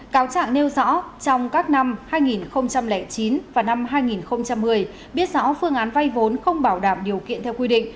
cáo trạng nêu rõ trong các năm hai nghìn chín và năm hai nghìn một mươi biết rõ phương án vay vốn không bảo đảm điều kiện theo quy định